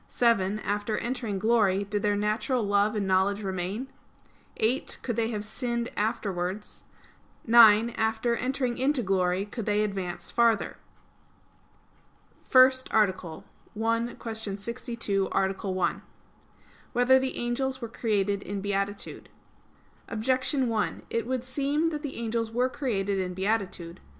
(7) After entering glory, did their natural love and knowledge remain? (8) Could they have sinned afterwards? (9) After entering into glory, could they advance farther? _______________________ FIRST ARTICLE [I, Q. 62, Art. 1] Whether the Angels Were Created in Beatitude? Objection 1: It would seem that the angels were created in beatitude.